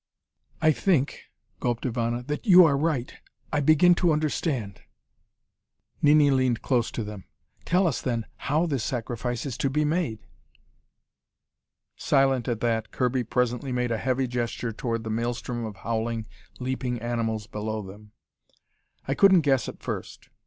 "I think," gulped Ivana, "that you are right. I begin to understand." Nini leaned close to them. "Tell us, then, how this sacrifice is to be made." Silent at that, Kirby presently made a heavy gesture toward the maelstrom of howling, leaping animals below them. "I couldn't guess at first.